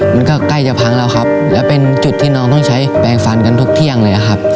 มันก็ใกล้จะพังแล้วครับแล้วเป็นจุดที่น้องต้องใช้แปลงฟันกันทุกเที่ยงเลยครับ